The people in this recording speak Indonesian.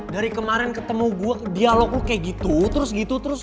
dari kemarin ketemu gue dialogku kayak gitu terus gitu terus